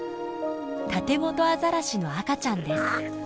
タテゴトアザラシの赤ちゃんです。